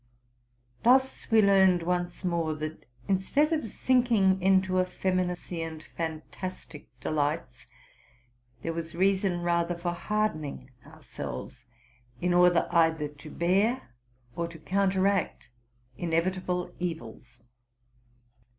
Thus we learned once more, that, instead of sinking into effeminacy and fantastic delights, there was reason rather for harden ing ourselves, in order either to bear or to counteract iney itable evils.